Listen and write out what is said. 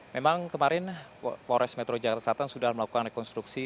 memang kemarin polres metro jakarta selatan sudah melakukan rekonstruksi